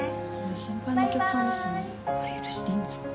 先輩のお客さんですよねあれ許していいんですか？